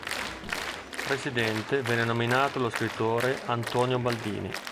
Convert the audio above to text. Presidente venne nominato lo scrittore Antonio Baldini.